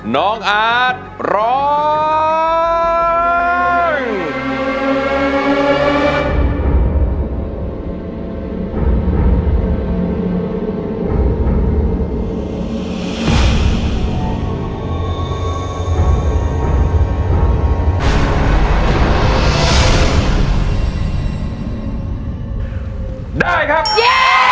ร้องได้ร้องได้